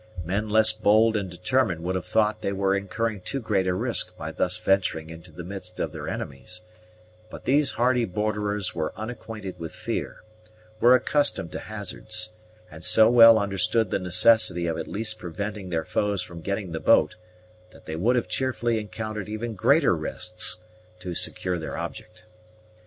Men less bold and determined would have thought that they were incurring too great a risk by thus venturing into the midst of their enemies; but these hardy borderers were unacquainted with fear, were accustomed to hazards, and so well understood the necessity of at least preventing their foes from getting the boat, that they would have cheerfully encountered even greater risks to secure their object.